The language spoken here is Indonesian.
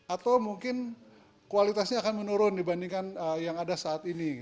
atau mungkin kualitasnya akan menurun dibandingkan yang ada saat ini